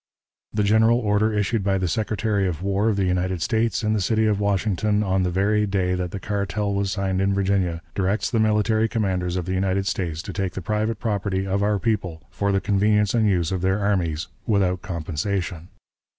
"The general order issued by the Secretary of War of the United States, in the city of Washington, on the very day that the cartel was signed in Virginia, directs the military commanders of the United States to take the private property of our people for the convenience and use of their armies, without compensation.